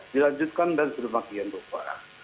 dilanjutkan dan sedemakian berubah